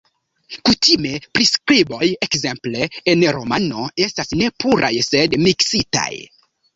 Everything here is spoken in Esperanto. Kutime priskriboj, ekzemple en romano, estas ne puraj sed miksitaj.